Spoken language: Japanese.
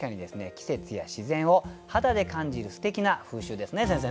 季節や自然を肌で感じるすてきな風習ですね先生ね。